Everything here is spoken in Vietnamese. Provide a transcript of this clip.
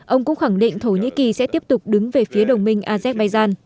ông cũng khẳng định thổ nhĩ kỳ sẽ tiếp tục đứng về phía đồng minh azerbaijan